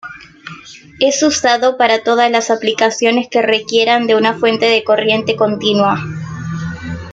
Es usado para todas las aplicaciones que requieran de una fuente de corriente continua.